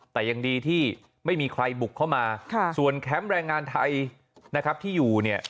แต่ยังดีที่ไม่มีใครบุกเข้ามาส่วนแคมป์แรงงานไทยนะครับที่อยู่เนี่ย